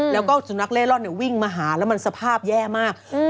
แล้วก็สุนัขเล่ร่อนวิ่งมาหาแล้วมันสภาพแย่มาก